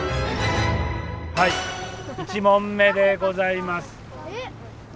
はい１問目でございます。